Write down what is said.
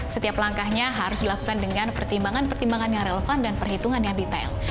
setiap langkahnya harus dilakukan dengan pertimbangan pertimbangan yang relevan dan perhitungan yang detail